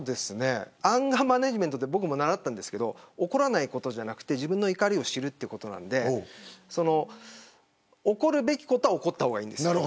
アンガーマネジメントは僕も習ったんですが怒らないことじゃなくて自分の怒りを知るってことなので怒るべきことは怒った方がいいんです。